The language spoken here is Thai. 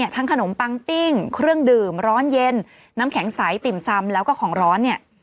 ขนมปังปิ้งเครื่องดื่มร้อนเย็นน้ำแข็งใสติ่มซำแล้วก็ของร้อนเนี่ย